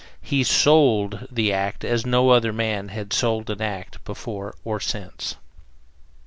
He "sold" the act as no other man has sold an act before or since.